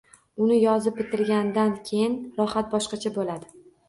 Uni yozib bitirganingdan keyingi rohat boshqacha bo‘ladi.